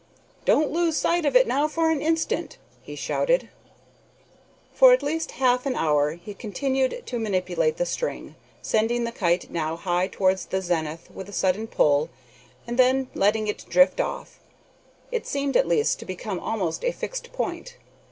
"Don't lose sight of it now for an instant!" he shouted. For at least half an hour he continued to manipulate the string, sending the kite now high towards the zenith with a sudden pull, and then letting it drift off. It seemed at last to become almost a fixed point.